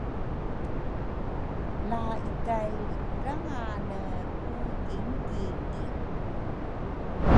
la ikay lrikudrangane ku gingingi